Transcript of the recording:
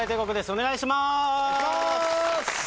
お願いします